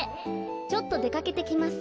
ちょっとでかけてきます。